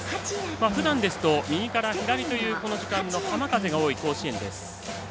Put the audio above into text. ふだんですと右から左というこの時間の浜風が多い、甲子園。